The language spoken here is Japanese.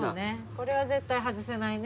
これは絶対外せないね。